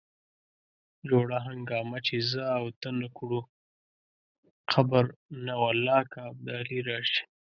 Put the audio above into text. جوړه هنګامه چې زه او ته نه کړو قبر نه والله که ابدالي راشي.